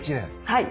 はい。